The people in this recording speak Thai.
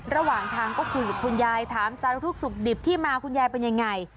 ระหว่างทางก็คุยกับคุณยายถามสารทุกข์สุขดิบที่มาคุณยายเป็นยังไง